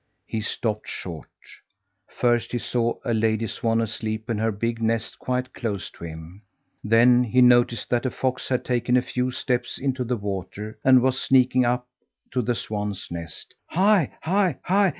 He stopped short. First he saw a lady swan asleep in her big nest quite close to him, then he noticed that a fox had taken a few steps into the water and was sneaking up to the swan's nest. "Hi, hi, hi!